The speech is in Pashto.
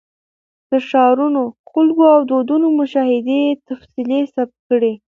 د ښارونو، خلکو او دودونو مشاهده یې تفصیلي ثبت کړې.